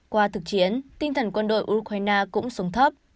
qua thực chiến tinh thần quân đội ukraine cũng xuống thấp